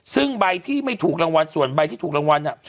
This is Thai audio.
ซึ่งใบที่ไม่ถูกรางวัลส่วนใบที่ถูกรางวัล